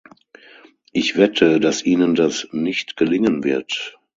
Ich wette, dass Ihnen das nicht gelingen wird.